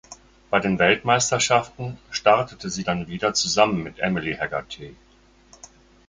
Bei den Weltmeisterschaften startete sie dann wieder zusammen mit Emily Hegarty.